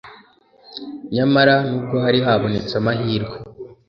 Nyamara n'ubwo hari habonetse amahirwe